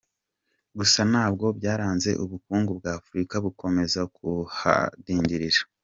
Gusa nabwo byaranze Ubukungu bwa Afurika bukomeza kuhadindirira.